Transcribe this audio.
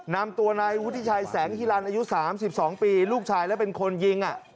นำตัวนายวุฒิชัยแสงฮิลันอายุ๓๒ปีลูกชายและเป็นคนยิง